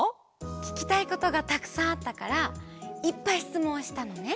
ききたいことがたくさんあったからいっぱいしつもんをしたのね。